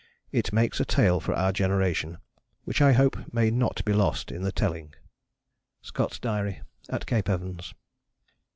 It makes a tale for our generation which I hope may not be lost in the telling. Scott's Diary, at Cape Evans.